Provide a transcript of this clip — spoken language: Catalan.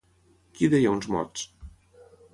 Qui deia uns mots?